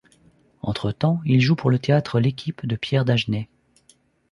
Entre-temps, il joue pour le Théâtre L'Équipe de Pierre Dagenais.